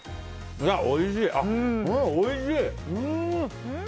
おいしい！